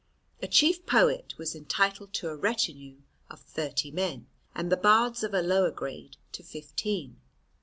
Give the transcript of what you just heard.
A chief poet was entitled to a retinue of thirty men, and the Bards of a lower grade to fifteen.